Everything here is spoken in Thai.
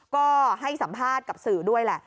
ก็ให้สัมภาษณ์กับสื่อด้วยแหละ